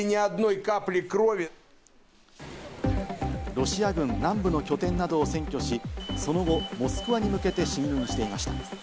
ロシア軍南部の拠点などを占拠し、その後、モスクワに向けて進軍していました。